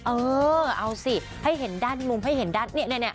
เออเอาสิให้เห็นด้านมุมให้เห็นด้านเนี่ย